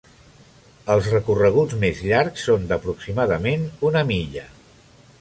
Els recorreguts més llargs són d'aproximadament una milla.